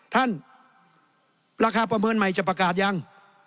ท่านประธานราคาประเมินใหม่จะประกาศยัง